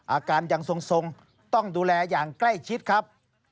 อาการยังทรงต้องดูแลอย่างใกล้ชิดครับ